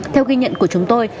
theo ghi nhận của chúng tôi